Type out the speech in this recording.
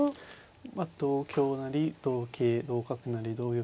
まあ同香成同桂同角成同玉